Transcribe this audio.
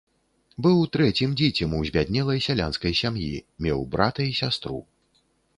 Быў трэцім дзіцем у збяднелай сялянскай сям'і, меў брата і сястру.